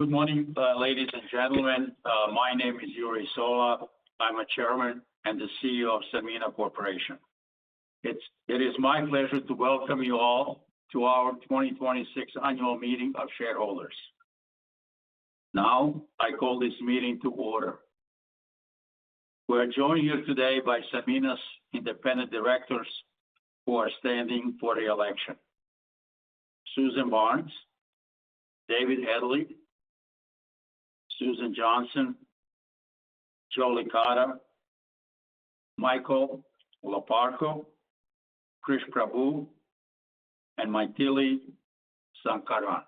Good morning, ladies and gentlemen. My name is Jure Sola. I'm the Chairman and the CEO of Sanmina Corporation. It is my pleasure to welcome you all to our 2026 annual meeting of shareholders. Now, I call this meeting to order. We're joined here today by Sanmina's independent directors who are standing for re-election. Susan Barnes, David Hedley, Susan Johnson, Joe Licata, Michael Loparco, Krish Prabhu, and Mythili Sankaran.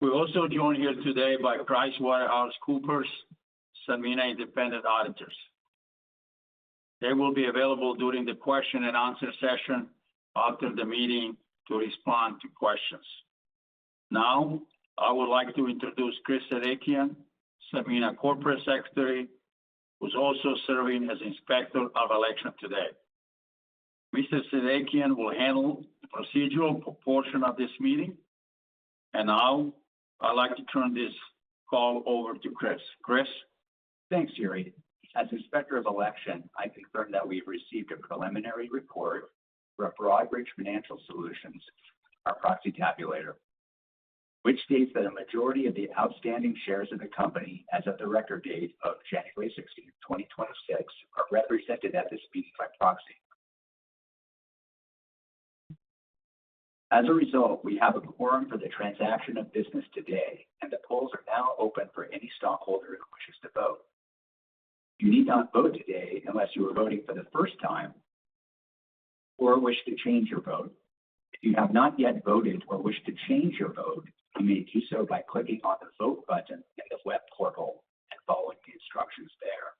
We're also joined here today by PricewaterhouseCoopers, Sanmina's independent auditors. They will be available during the question and answer session after the meeting to respond to questions. Now, I would like to introduce Christopher Sadeghian, Sanmina's Corporate Secretary, who's also serving as Inspector of Election today. Mr. Sadeghian will handle the procedural portion of this meeting, and now I'd like to turn this call over to Chris. Chris. Thanks, Jure. As Inspector of Election, I confirm that we've received a preliminary report from Broadridge Financial Solutions, our proxy tabulator, which states that a majority of the outstanding shares of the company as of the record date of January 16, 2026, are represented at this meeting by proxy. As a result, we have a quorum for the transaction of business today, and the polls are now open for any stockholder who wishes to vote. You need not vote today unless you are voting for the first time or wish to change your vote. If you have not yet voted or wish to change your vote, you may do so by clicking on the Vote button in the web portal and following the instructions there.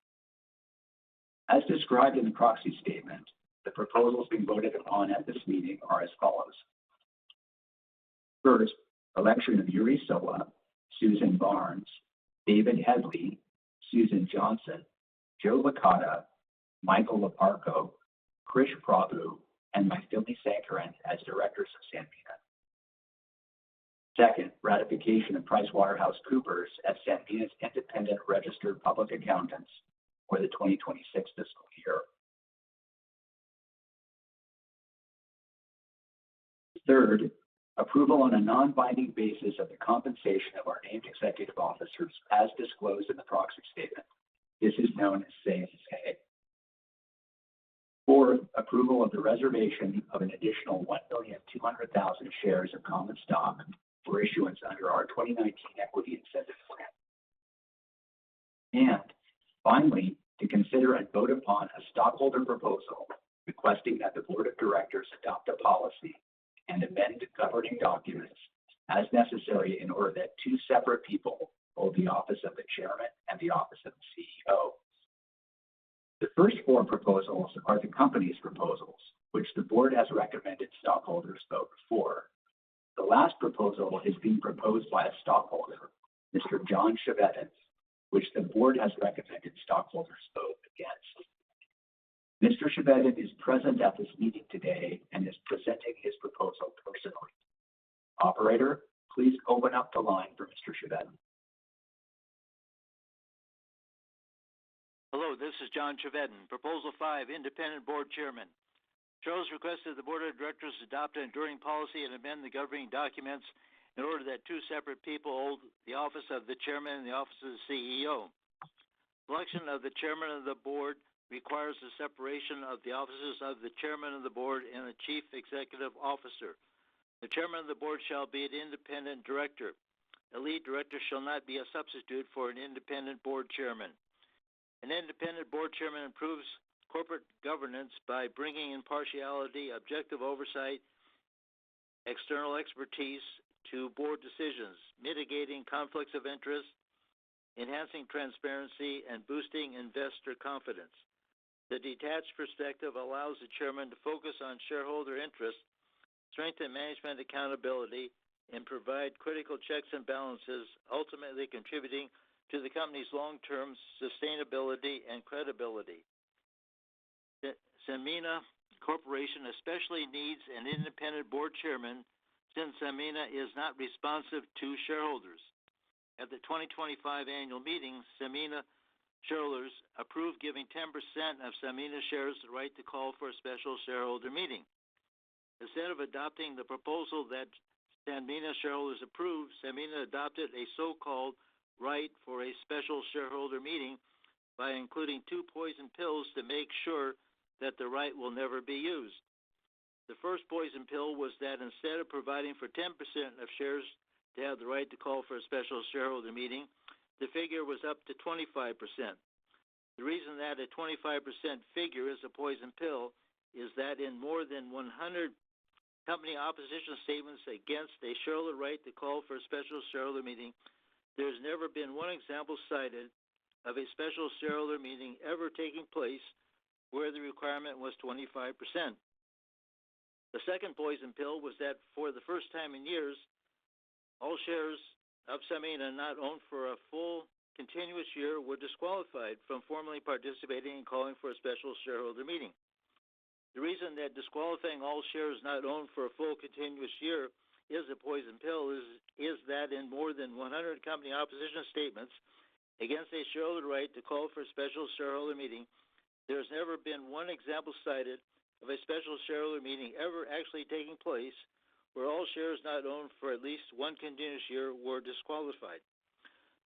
As described in the proxy statement, the proposals being voted upon at this meeting are as follows. First, election of Jure Sola, Susan K. Barnes, David V. Hedley III, Susan A. Johnson, Joseph G. Licata, Jr., Michael J. Loparco, Krish Prabhu, and Mythili Sankaran as directors of Sanmina. Second, ratification of PricewaterhouseCoopers as Sanmina's independent registered public accountants for the 2026 fiscal year. Third, approval on a non-binding basis of the compensation of our named executive officers as disclosed in the proxy statement. This is known as say on pay. Fourth, approval of the reservation of an additional 1,200,000 shares of common stock for issuance under our 2019 Equity Incentive Plan. Finally, to consider and vote upon a stockholder proposal requesting that the board of directors adopt a policy and amend the governing documents as necessary in order that two separate people hold the office of the chairman and the office of the CEO. The first four proposals are the company's proposals, which the board has recommended stockholders vote for. The last proposal is being proposed by a stockholder, Mr. John Chevedden, which the board has recommended stockholders vote against. Mr. Chevedden is present at this meeting today and is presenting his proposal personally. Operator, please open up the line for Mr. Chevedden. Hello, this is John Chevedden, Proposal five, independent board chairman. Charles requested the board of directors adopt an enduring policy and amend the governing documents in order that two separate people hold the office of the chairman and the office of the CEO. Election of the chairman of the board requires the separation of the offices of the chairman of the board and the chief executive officer. The chairman of the board shall be an independent director. A lead director shall not be a substitute for an independent board chairman. An independent board chairman improves corporate governance by bringing impartiality, objective oversight, external expertise to board decisions, mitigating conflicts of interest, enhancing transparency, and boosting investor confidence. The detached perspective allows the chairman to focus on shareholder interest, strengthen management accountability, and provide critical checks and balances, ultimately contributing to the company's long-term sustainability and credibility. The Sanmina Corporation especially needs an independent board chairman since Sanmina is not responsive to shareholders. At the 2025 annual meeting, Sanmina shareholders approved giving 10% of Sanmina shares the right to call for a special shareholder meeting. Instead of adopting the proposal that Sanmina shareholders approved, Sanmina adopted a so-called right for a special shareholder meeting by including two poison pills to make sure that the right will never be used. The first poison pill was that instead of providing for 10% of shares to have the right to call for a special shareholder meeting, the figure was up to 25%. The reason that a 25% figure is a poison pill is that in more than 100 company opposition statements against a shareholder right to call for a special shareholder meeting, there's never been one example cited of a special shareholder meeting ever taking place where the requirement was 25%. The second poison pill was that for the first time in years, all shares of Sanmina not owned for a continuous year were disqualified from formally participating and calling for a special shareholder meeting. The reason that disqualifying all shares not owned for a full continuous year is a poison pill is that in more than 100 company opposition statements against a shareholder right to call for a special shareholder meeting, there's never been one example cited of a special shareholder meeting ever actually taking place where all shares not owned for at least one continuous year were disqualified.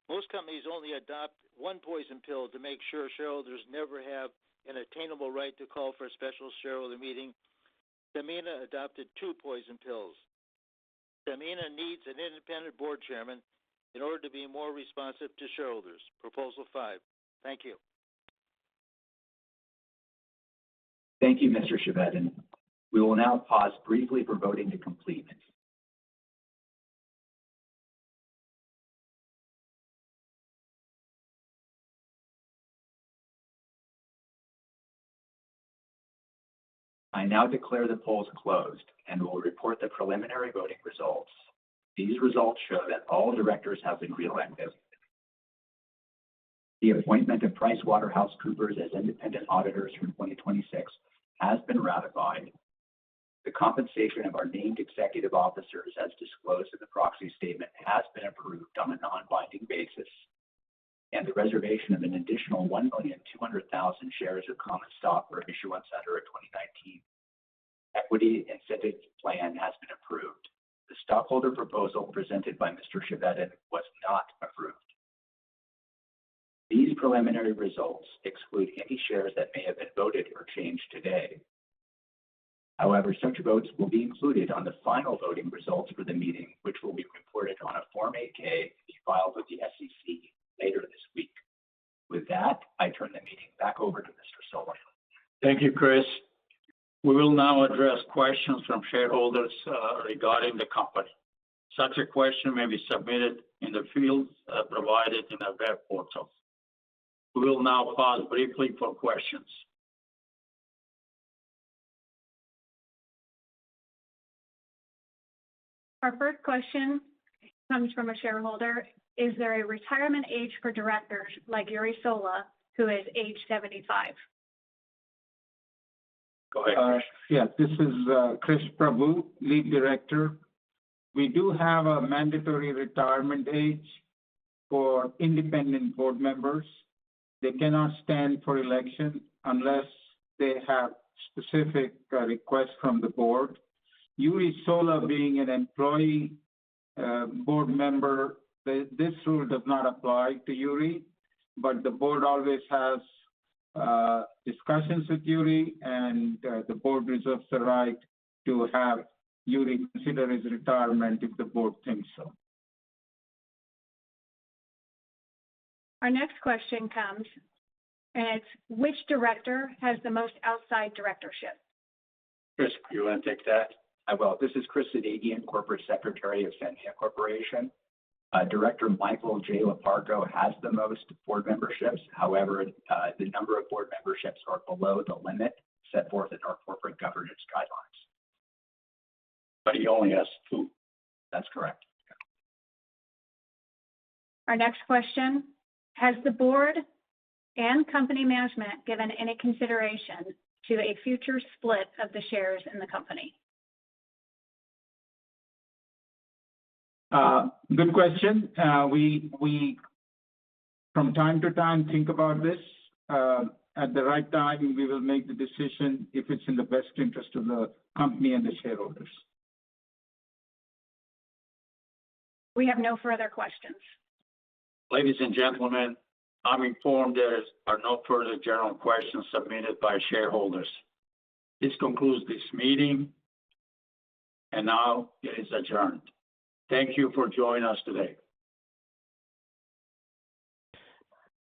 Most companies only adopt one poison pill to make sure shareholders never have an attainable right to call for a special shareholder meeting. Sanmina adopted two poison pills. Sanmina needs an independent board chairman in order to be more responsive to shareholders. Proposal five. Thank you. Thank you, Mr. Chevedden. We will now pause briefly for voting to complete. I now declare the polls closed and will report the preliminary voting results. These results show that all directors have been reelected. The appointment of PricewaterhouseCoopers as independent auditors through 2026 has been ratified. The compensation of our named executive officers, as disclosed in the proxy statement, has been approved on a non-binding basis. The reservation of an additional 1,200,000 shares of common stock for issuance under our 2019 Equity Incentive Plan has been approved. The stockholder proposal presented by Mr. Chevedden was not approved. These preliminary results exclude any shares that may have been voted or changed today. However, such votes will be included on the final voting results for the meeting, which will be reported on a Form 8-K to be filed with the SEC later this week. With that, I turn the meeting back over to Mr. Sola. Thank you, Chris. We will now address questions from shareholders regarding the company. Such a question may be submitted in the fields provided in our web portal. We will now pause briefly for questions. Our first question comes from a shareholder. Is there a retirement age for directors like Jure Sola, who is age 75? Go ahead, Chris. This is Krish Prabhu, Lead Director. We do have a mandatory retirement age for independent board members. They cannot stand for election unless they have specific request from the board. Jure Sola being an employee board member, this rule does not apply to Uri, but the board always has discussions with Uri, and the board reserves the right to have Uri consider his retirement if the board thinks so. Our next question comes, and it's which director has the most outside directorships? Chris, do you wanna take that? I will. This is Chris Sadeghian, corporate secretary of Sanmina Corporation. Director Michael J. Loparco has the most board memberships. However, the number of board memberships are below the limit set forth in our corporate governance guidelines. He only has two. That's correct. Our next question. Has the board and company management given any consideration to a future split of the shares in the company? Good question. We from time to time think about this. At the right time, we will make the decision if it's in the best interest of the company and the shareholders. We have no further questions. Ladies and gentlemen, I'm informed there are no further general questions submitted by shareholders. This concludes this meeting, and now it is adjourned. Thank you for joining us today.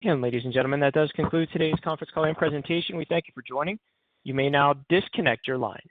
Again, ladies and gentlemen, that does conclude today's conference call and presentation. We thank you for joining. You may now disconnect your line.